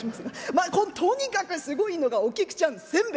まあとにかくすごいのがお菊ちゃん煎餅。